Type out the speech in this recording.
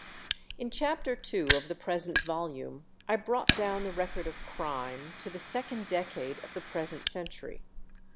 In chapter two of the present volume I brought down the record of crime to the second decade of the present century.